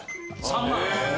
３万！